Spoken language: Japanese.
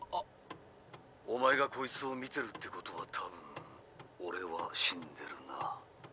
おまえがこいつを見てるってことはたぶんオレは死んでるな。